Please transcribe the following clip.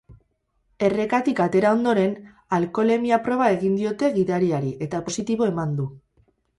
Errekatik atera ondoren, alkoholemia proba egin diote gidariari eta positibo eman du.